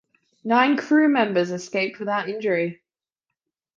Nine crew members escaped without injury.